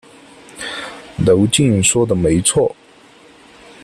娄敬说的没错。